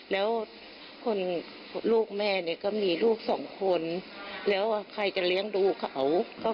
แล้วคนลูกแม่เนี่ยก็มีลูกสองคนแล้วใครจะเลี้ยงดูเขา